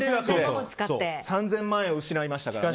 ３０００万円を失いましたからね。